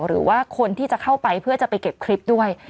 หรือว่าคนที่จะเข้าไปเพื่อจะไปเก็บคลิปด้วย